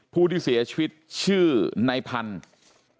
ผู้ที่เสียชีวิตชื่อในพันธุ์